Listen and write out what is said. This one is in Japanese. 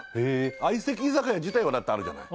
相席居酒屋自体はだってあるじゃない。